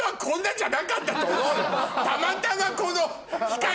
たまたまこの。